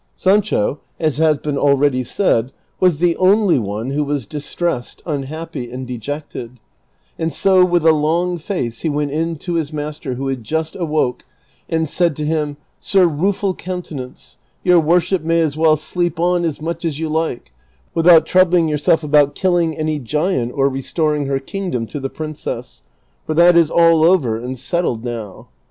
" Sancho, as has been already said, was the only one who was distressed, unhappy, and dejected ; and so with a long face he went in to his mas ter, who had just awoke, and said to him, " Sir Rueful Counte nance, your worship may as well sleep on as much as you like, without troubling yourself about killing any giant or restoring her kingdom to the princess ; for that is all over and settled now."